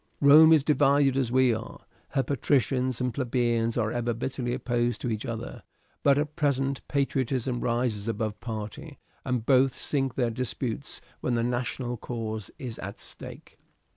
"Rome is divided as we are, her patricians and plebeians are ever bitterly opposed to each other; but at present patriotism rises above party, and both sink their disputes when the national cause is at stake.